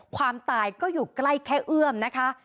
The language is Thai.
ความตายก็อยู่ใกล้แค่เอื้อมนะคะ